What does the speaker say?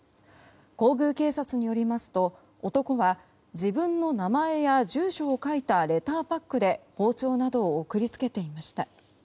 皇宮警察によりますと、男は自分の名前や住所を書いたレターパックで包丁などを送り付けていました。